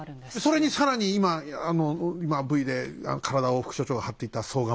それに更に今Ｖで体を副所長が張っていた総構。